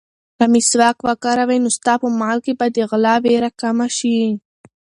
که مسواک وکاروې، نو ستا په مال کې به د غلا وېره کمه شي.